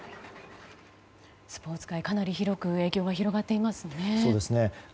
スポーツ界、かなり広く影響が広がっていますね。